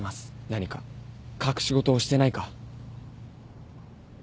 何か隠し事をしてないか。